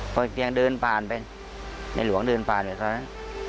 ก็ยังเดินผ่านไปนายหลวงเดินผ่านไปตอนนั้น